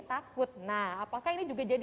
takut nah apakah ini juga jadi